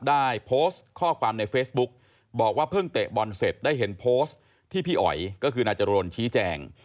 ได้โพสต์ข้อความในเฟซบุ๊กบอกว่าเพิ่งเตะบอลเสร็จได้เห็นโพสต์ที่พี่อ๋อยก็คือนายจรวนชี้แจง